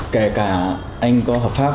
kể cả anh có hợp pháp